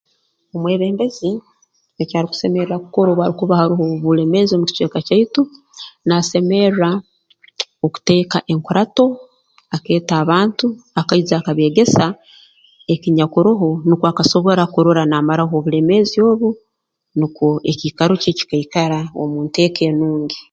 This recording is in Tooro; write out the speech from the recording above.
Omwebembezi eki arukusemerra kukora obu hakuba harumu obulemeezi omu kicweka kyaitu naasemerra okuteeka enkurato akeeta abantu akaija akabeegesa ekinyakuroho nukwo akasobora kurora naamaraho obulemeezi obu nukwo ekiikaro kye kikaikara omu nteeko enungi